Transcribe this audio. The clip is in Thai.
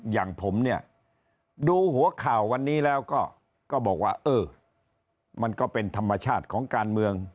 อย่างผมเนี่ยดูหัวข่าววันนี้แล้วก็บอกว่าเออมันก็เป็นธรรมชาติของการเมือง